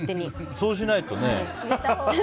そうしないとね。